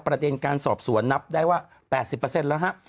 ประเทศการสอบสวนนับได้ว่า๘๐แล้วฮะ